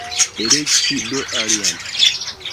Elektu do alian!